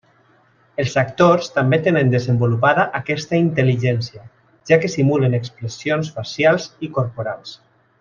Els actors també tenen desenvolupada aquesta intel·ligència, ja que simulen expressions facials i corporals.